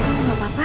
kamu gak apa apa